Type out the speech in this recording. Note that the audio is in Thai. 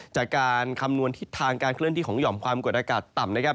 จากการคำนวณทิศทางการเคลื่อนที่ของห่อมความกดอากาศต่ำนะครับ